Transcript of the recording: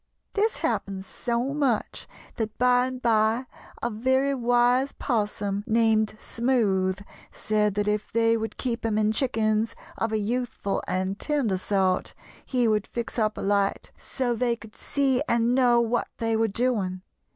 "This happened so much that by and by a very wise 'Possum, named Smoothe, said that if they would keep him in chickens of a youthful and tender sort he would fix up a light, so they could see and know what they were doing.